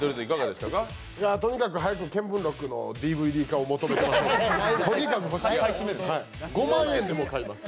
とにかく早く「見聞録」のＤＶＤ化を求めています。